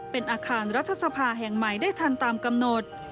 เป็นอาคารรัฐสภาแห่งใหม่ได้ทันตามกำหนด